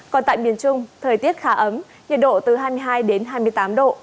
còn tại miền trung thời tiết khá ấm nhiệt độ từ hai mươi hai đến hai mươi tám độ